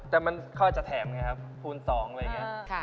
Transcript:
แต่มันเขาอาจจะแถมไงครับคูณ๒อะไรอย่างนี้